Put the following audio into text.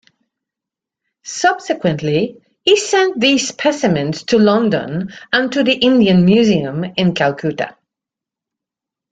Subsequently he sent these specimens to London and to the Indian Museum in Calcutta.